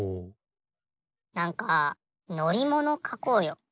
なんかのりものかこうよ。